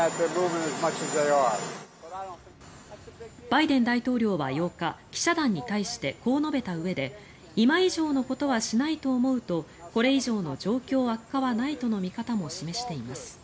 バイデン大統領は８日記者団に対してこう述べたうえで今以上のことはしないと思うとこれ以上の状況悪化はないとの見方も示しています。